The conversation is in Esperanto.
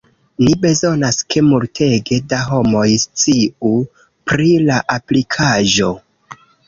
Ni bezonas, ke multege da homoj sciu pri la aplikaĵo